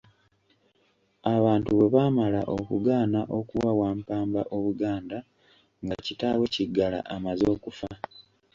Abantu bwe baamala okugaana okuwa Wampamba Obuganda nga kitaawe Kiggala amaze okufa.